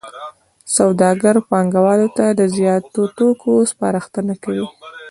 سوداګر پانګوالو ته د زیاتو توکو سپارښتنه کوي